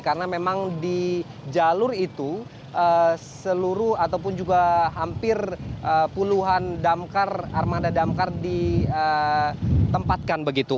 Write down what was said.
karena memang di jalur itu seluruh ataupun juga hampir puluhan damkar armada damkar ditempatkan begitu